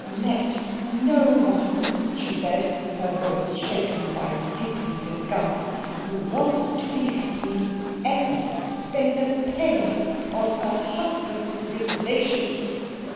"Let no one," she said, her voice shaken by deepest disgust, "who wants to be happy, ever spend a penny on her husband's relations."